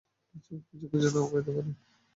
কিছু খুঁজে নাও পেতে পারি।